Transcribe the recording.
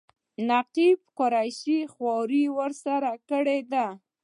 نقیب قریشي خواري ورسره کړې ده.